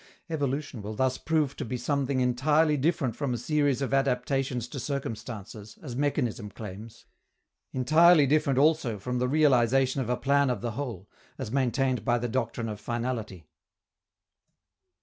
Evolution will thus prove to be something entirely different from a series of adaptations to circumstances, as mechanism claims; entirely different also from the realization of a plan of the whole, as maintained by the doctrine of finality.